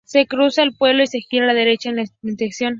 Se cruza el pueblo y se gira a la derecha en la intersección.